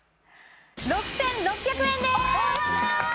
６６００円です